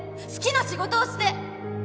好きな仕事をして！